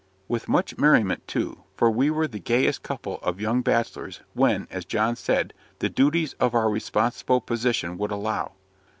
With much merriment, too, for we were the gayest couple of young bachelors, when, as John said, "the duties of our responsible position" would allow.